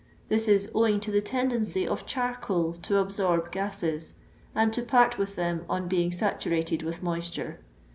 This is owing to the tendency of charcoal to absorb gaseii, and to part with them on being saturated with moisture.